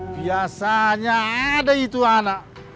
biasanya ada itu anak